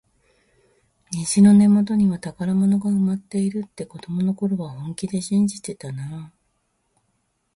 虹の根元には宝物が埋まっているって、子どもの頃は本気で信じてたなあ。